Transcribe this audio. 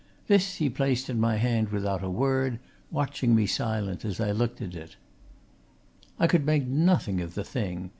This he placed in my hand without a word, watching me silently as I looked at it. I could make nothing of the thing.